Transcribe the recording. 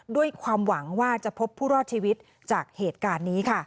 ด้วยความหวังว่าจะพบผู้รอดชีวิตจากเหตุการณ์นี้ค่ะ